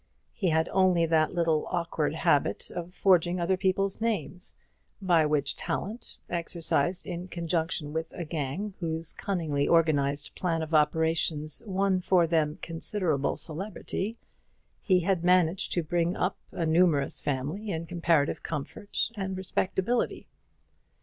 He had only that awkward little habit of forging other people's names; by which talent, exercised in conjunction with a gang whose cunningly organized plan of operations won for them considerable celebrity, he had managed to bring up a numerous family in comparative comfort and respectability.